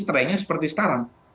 trainnya seperti sekarang